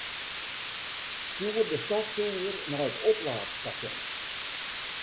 Stjoer de stofsûger nei it oplaadstasjon.